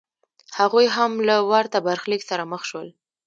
هغوی هم له ورته برخلیک سره مخ شول